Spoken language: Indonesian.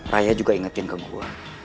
raya juga ingetin ke gua